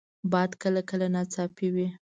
باد کله کله ناڅاپي وي